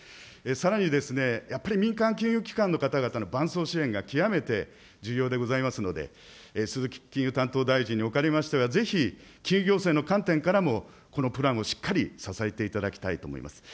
さらにやっぱり民間金融機関の方々の伴走支援が極めて重要でございますので、鈴木金融担当大臣におかれましては、ぜひ金融行政の観点からもこのプランをしっかり支えていただきたいと思います。